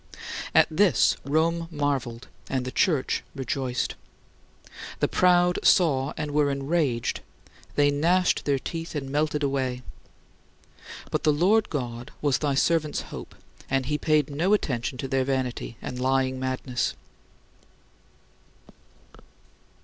At this Rome marveled and the Church rejoiced. The proud saw and were enraged; they gnashed their teeth and melted away! But the Lord God was thy servant's hope and he paid no attention to their vanity and lying madness.